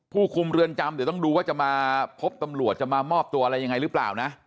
ผู้คุมเรือนจำเดี๋ยวต้องดูว่าจะมาพบตำรวจจะมามอบตัวอะไรยังไงหรือเปล่านะ